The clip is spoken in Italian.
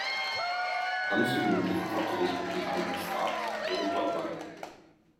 L'anno seguente fu fatto Vescovo di Halberstadt, dove poi morì.